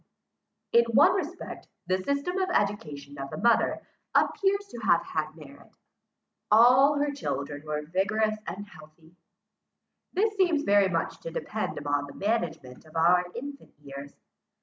In one respect, the system of education of the mother appears to have had merit. All her children were vigorous and healthy. This seems very much to depend upon the management of our infant years.